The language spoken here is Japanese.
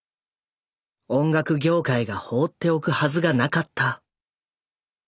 音楽業界が放っておくはずがなかった。